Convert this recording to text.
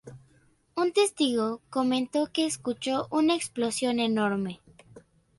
Un testigo comentó que escuchó "una explosión enorme.